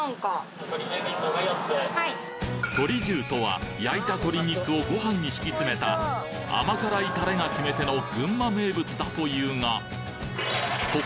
とり重とは焼いた鶏肉をご飯に敷き詰めた甘辛いタレが決め手の群馬名物だというがこ